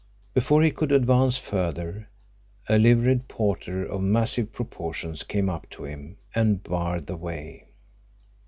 Before he could advance further, a liveried porter of massive proportions came up to him and barred the way.